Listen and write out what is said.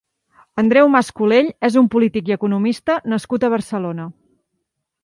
Andreu Mas-Colell és un polític i econimista nascut a Barcelona.